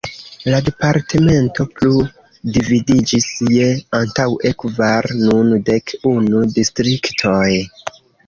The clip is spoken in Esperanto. La departemento plu dividiĝis je antaŭe kvar, nun dek unu distriktoj.